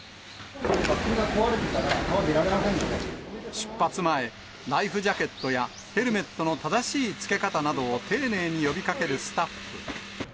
バックルが壊れていたら、出発前、ライフジャケットやヘルメットの正しい着け方などを丁寧に呼びかけるスタッフ。